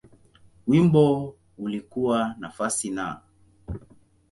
Wimbo ulikuwa nafasi Na.